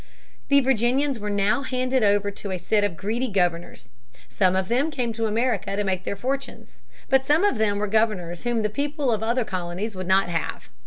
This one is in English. The Virginians were now handed over to a set of greedy governors. Some of them came to America to make their fortunes. But some of them were governors whom the people of other colonies would not have.